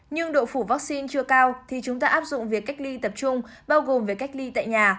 nhưng độ phủ vaccine chưa cao thì chúng ta áp dụng việc cách ly tập trung bao gồm về cách ly tại nhà